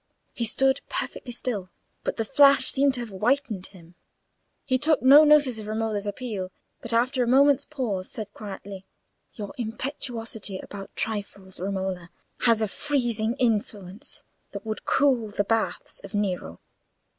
He stood perfectly still; but the flash seemed to have whitened him. He took no notice of Romola's appeal, but after a moment's pause, said quietly— "Your impetuosity about trifles, Romola, has a freezing influence that would cool the baths of Nero."